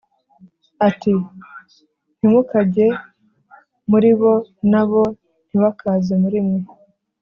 ati “Ntimukajye muri bo, na bo ntibakaze muri mwe